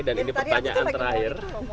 dan ini pertanyaan terakhir